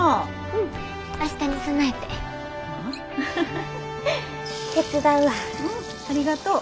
うんありがとう。